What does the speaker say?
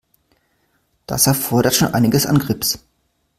Das erfordert schon einiges an Grips.